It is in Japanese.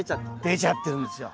出ちゃってるんですよ。